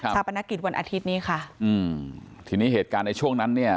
ปนกิจวันอาทิตย์นี้ค่ะอืมทีนี้เหตุการณ์ในช่วงนั้นเนี่ย